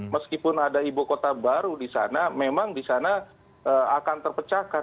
meskipun ada ibu kota baru di sana memang di sana akan terpecahkan